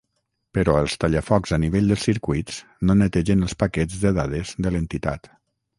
Però els tallafocs a nivell dels circuits no netegen els paquets de dades de l'entitat.